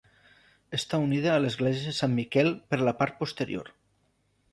Està unida a l'església de Sant Miquel per la part posterior.